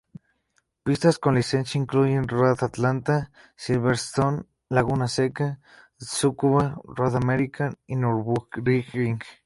Pistas con licencia incluyen Road Atlanta, Silverstone, Laguna Seca, Tsukuba, Road America, y Nürburgring.